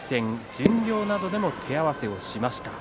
巡業などでも手合わせをしました。